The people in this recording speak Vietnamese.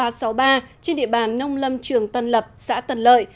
trên địa bàn nông lâm trường tân lập xã tân lợi